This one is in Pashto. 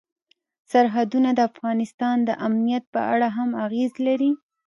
سرحدونه د افغانستان د امنیت په اړه هم اغېز لري.